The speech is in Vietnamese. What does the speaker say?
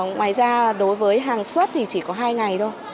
ngoài ra đối với hàng xuất thì chỉ có hai ngày thôi